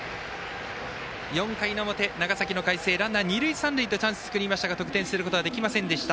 ４回の表、長崎の海星ランナー、二塁三塁とチャンス作りましたが得点することができませんでした。